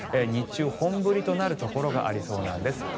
日中、本降りとなるところがありそうなんです。